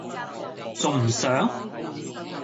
重唔上?